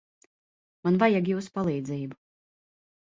Man vajag jūsu palīdzību.